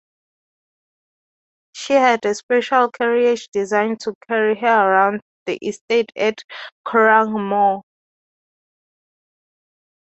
She had a special carriage designed to carry her around the estate at Curraghmore.